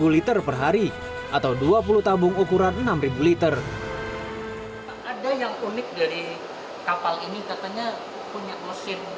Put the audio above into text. liter per hari atau dua puluh tabung ukuran enam ribu liter ada yang unik dari kapal ini katanya punya mesin